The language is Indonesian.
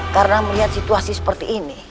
karena melihat situasi seperti ini